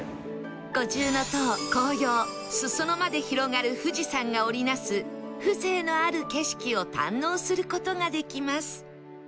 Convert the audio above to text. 五重塔紅葉裾野まで広がる富士山が織り成す風情のある景色を堪能する事ができます